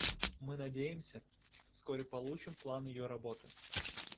Мы надеемся, что вскоре получим план ее работы.